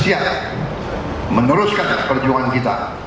saya berterima kasih kepada anda